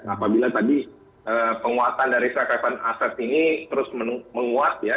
apabila tadi penguatan dari sakrepan aset ini terus menguat ya